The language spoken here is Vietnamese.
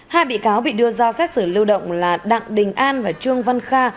hai bị cáo bị đưa ra xét xử lưu động là đặng đình an và trương văn kha